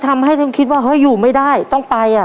ไม่ได้ต้องไปอ่ะ